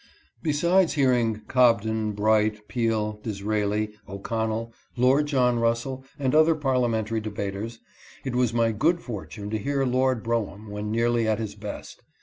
\Besides hearing Cobden, Bright, Peel, Disraeli, O'Con nell, Lord John Russell, and other Parliamentary debaters, it was my good fortune to hear Lord Brougham when nearly at his best.